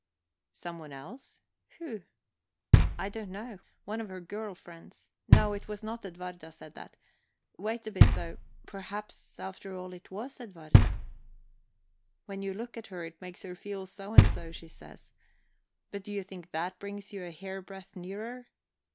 "Someone else? Who?" "I don't know. One of her girl friends. No, it was not Edwarda said that. Wait a bit though; perhaps, after all, it was Edwarda..." "When you look at her, it makes her feel so and so, she says. But do you think that brings you a hairbreadth nearer?